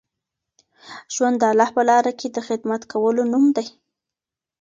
ژوند د الله په لاره کي د خدمت کولو نوم دی.